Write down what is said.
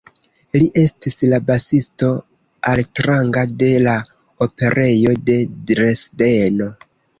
Li estis la basisto altranga de la Operejo de Dresdeno.